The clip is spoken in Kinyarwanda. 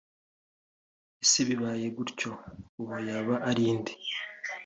ese bibaye gutya uwo yaba ari inde